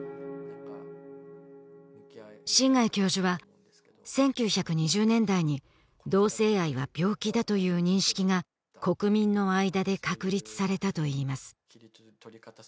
新ヶ江教授は１９２０年代に同性愛は病気だという認識が国民の間で確立されたといいます